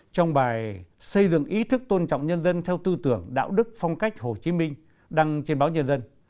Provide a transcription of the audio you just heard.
trong bài xây dựng ý thức tôn trọng nhân dân theo tư tưởng đạo đức phong cách hồ chí minh đăng trên báo nhân dân